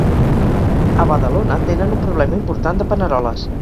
A Badalona, tenen un problema important de paneroles.